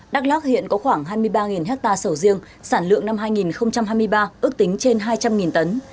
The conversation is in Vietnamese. đắk lắc hiện có khoảng hai mươi ba ha sầu riêng sản lượng năm hai nghìn hai mươi ba ước tính trên hai trăm linh tấn